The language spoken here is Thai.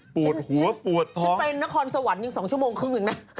ปวดหัวปวดท้องฉันไปนครสวรรค์ยัง๒ชั่วโมงครึ่งอีกนะ